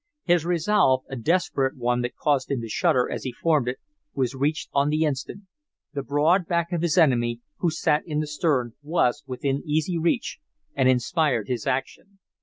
His resolve, a desperate one that caused him to shudder as he formed it, was reached on the instant. The broad back of his enemy, who sat in the stern, was within easy reach, and inspired his action.